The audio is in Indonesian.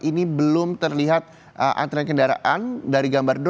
ini belum terlihat antrian kendaraan dari gambar